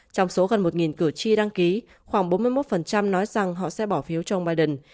trong số gần một cử tri đăng ký khoảng bốn mươi một nói rằng họ sẽ bỏ khỏi tổng thống